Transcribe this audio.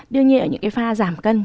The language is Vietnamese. đương nhiên ở những cái pha giảm cân